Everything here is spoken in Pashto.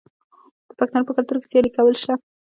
د پښتنو په کلتور کې سیالي کول شته.